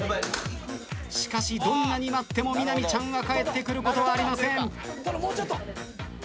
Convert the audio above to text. しかしどんなに待ってもみなみちゃんは帰ってくることはありません。